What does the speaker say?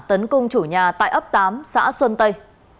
tấn công chủ nhà tại ấp tám xã xuân tây